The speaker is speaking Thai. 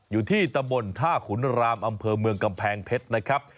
อยู่ที่ตำบลท่าขุนรามอำเภอเมืองกำแพงเพชรนะครับ